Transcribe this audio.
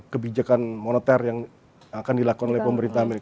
kebijakan moneter yang akan dilakukan oleh pemerintah amerika